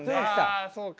あそうか。